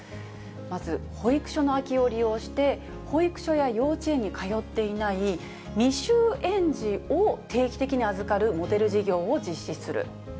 まず、保育所の空きを利用して、保育所や幼稚園に通っていない未就園児を定期的に預かるモデル事業を実施する。